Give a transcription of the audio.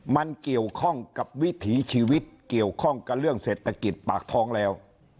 มันเกี่ยวข้องกับวิถีชีวิตเกี่ยวข้องกับเรื่องเศรษฐกิจปากท้องแล้ว